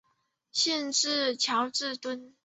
县治乔治敦。